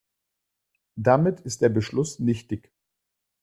Damit ist der Beschluss nichtig.